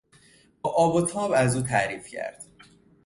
با آب و تاب از او تعریف کرد.